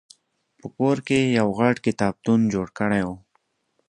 په کور کې یې یو غټ کتابتون جوړ کړی و.